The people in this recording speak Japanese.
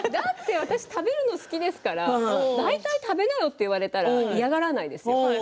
食べるの好きですから大体食べなよって言われたら嫌がらないですよ。